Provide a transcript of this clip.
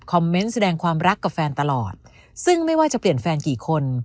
เมนต์แสดงความรักกับแฟนตลอดซึ่งไม่ว่าจะเปลี่ยนแฟนกี่คน